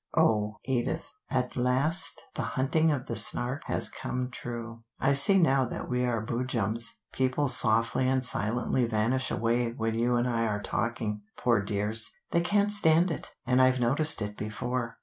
Oh, Edith, at last the 'Hunting of the Snark' has come true. I see now that we are Boojums. People softly and silently vanish away when you and I are talking, poor dears. They can't stand it, and I've noticed it before.